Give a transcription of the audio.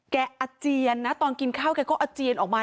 อาเจียนนะตอนกินข้าวแกก็อาเจียนออกมา